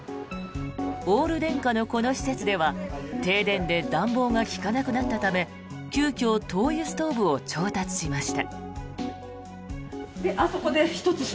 オール電化のこの施設では停電で暖房が利かなくなったため急きょ、灯油ストーブを調達しました。